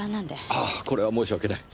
ああこれは申し訳ない。